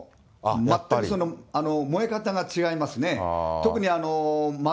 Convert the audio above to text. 全く、燃え方が違いますね。